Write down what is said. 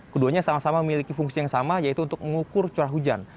keduanya sama sama memiliki fungsi yang sama yaitu untuk mengukur curah hujan